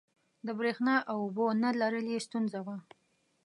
د برېښنا او اوبو نه لرل یې ستونزه وه.